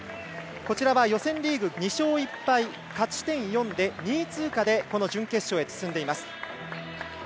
こちらは予選リーグ２勝１敗勝ち点４で２位通過で準決勝へと進んでいます。